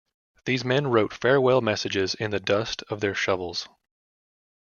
These men wrote farewell messages in the dust of their shovels.